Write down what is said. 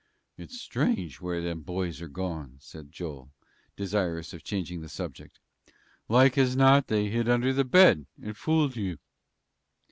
"It's strange where them boys are gone," said Joel, desirous of changing the subject. "Like as not, they hid under the bed, and fooled you."